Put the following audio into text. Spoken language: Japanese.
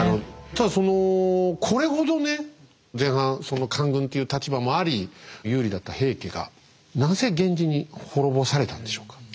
ただそのこれほどね前半その官軍っていう立場もあり有利だった平家がなぜ源氏に滅ぼされたんでしょうか。